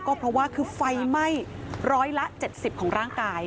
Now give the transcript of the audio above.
ก็เพราะว่าคือไฟไหม้ร้อยละ๗๐ของร่างกาย